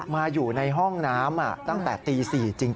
อยู่ในห้องน้ำตั้งแต่ตี๔จริง